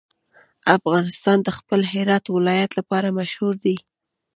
افغانستان د خپل هرات ولایت لپاره مشهور دی.